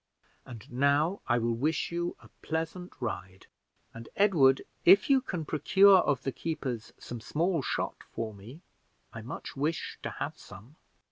And now, I will wish you a pleasant ride; and, Edward, if you can, procure of the keepers some small shot for me; I much wish to have some."